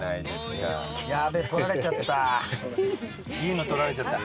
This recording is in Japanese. ヤベえ取られちゃった。